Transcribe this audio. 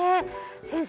先生